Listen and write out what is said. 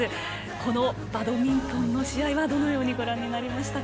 このバドミントンの試合はどのようにご覧になりましたか？